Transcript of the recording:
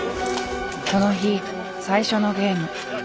この日最初のゲーム。